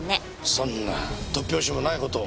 そんな突拍子もない事を。